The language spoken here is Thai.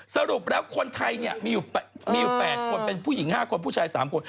สรุปแล้วคนไทยเนี่ยมีอยู่๘คนเป็นผู้หญิง๕คนผู้ชาย๓คน